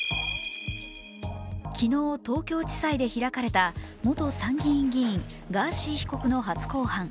昨日、東京地裁で開かれた元参議院議員、ガーシー被告の初公判。